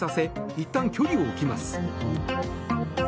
いったん距離を置きます。